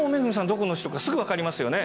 どこのお城かすぐ分かりますよね。